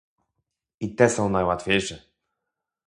I te są najłatwiejsze